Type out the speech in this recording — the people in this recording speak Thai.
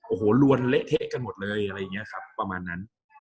โอ้โหลวนเละเทะกันหมดเลยอะไรอย่างนี้ครับประมาณนั้น